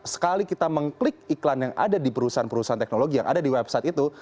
sekali kita mengklik iklan yang ada di perusahaan perusahaan teknologi yang ada di website itu